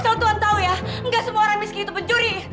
asal tuhan tahu ya enggak semua orang miskin itu mencuri